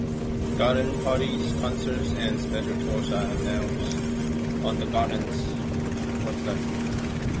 Garden parties, concerts, and special tours are announced on the garden's website.